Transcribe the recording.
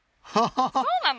そうなの？